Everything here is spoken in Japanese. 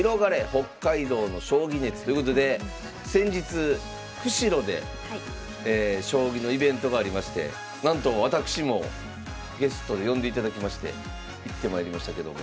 北海道の将棋熱！」ということで先日釧路で将棋のイベントがありましてなんと私もゲストで呼んでいただきまして行ってまいりましたけども。